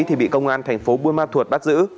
thì bị công an thành phố buôn ma thuột bắt giữ